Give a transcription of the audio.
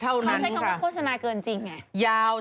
เขาใช้คำว่าโฆษณาเกินจริงไง